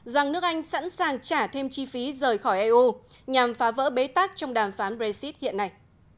rằng nước anh sẵn sàng trả thêm chi phí rời khỏi eu nhằm phá vỡ bế tắc trong đàm phán brexit hiện nay